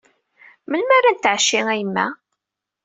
Melmi ara netɛecci a yemma?